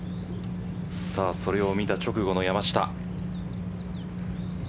それを見た直後の山下。